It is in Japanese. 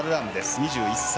２１歳。